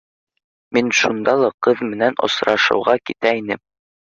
Мин шунда ла ҡыҙ менән осрашыуға китә инем